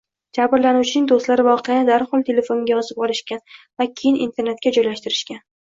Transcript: Jabrlanuvchining do'stlari voqeani darhol telefonga yozib olishgan va keyin internetga joylashtirishgan